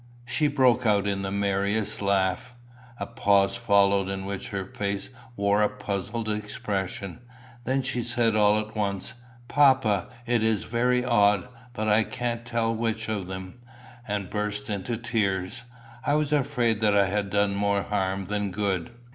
She broke out in the merriest laugh. A pause followed in which her face wore a puzzled expression. Then she said all at once, "Papa, it is very odd, but I can't tell which of them," and burst into tears. I was afraid that I had done more harm than good.